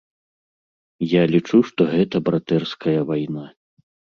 Я лічу, што гэта братэрская вайна.